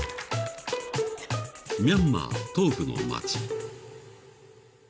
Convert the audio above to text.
［ミャンマー東部の街］